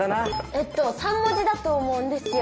えっと３文字だと思うんですよ。